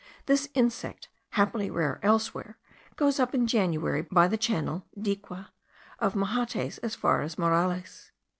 This insect, happily rare elsewhere, goes up in January, by the channel (dique) of Mahates, as far as Morales.